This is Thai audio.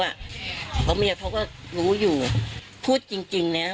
เพราะเมียเขาก็รู้อยู่พูดจริงนะ